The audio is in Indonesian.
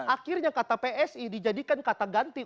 akhirnya kata psi dijadikan kata ganti